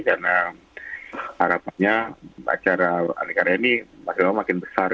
karena harapannya acara aneka aneka ini makin besar